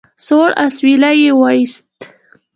سوړ اسويلی يې ويست.